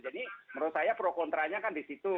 jadi menurut saya pro kontranya kan di situ